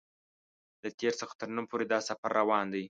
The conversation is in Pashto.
له تېر څخه تر نن پورې دا سفر روان دی.